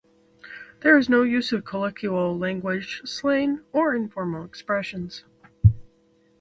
There is no use of colloquial language, slang, or informal expressions.